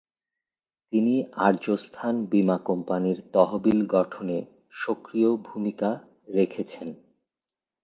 তিনি আর্যস্থান বীমা কোম্পানির তহবিল গঠনে সক্রিয় ভূমিকা রেখেচনে।